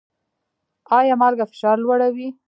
ایا مالګه فشار لوړوي؟